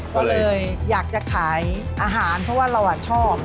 ก็เลยอยากจะขายอาหารเพราะว่าเราชอบ